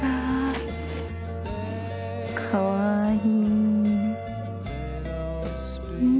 かわいい。